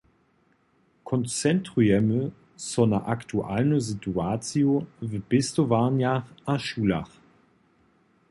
Koncentrujemy so na aktualnu situaciju w pěstowarnjach a šulach.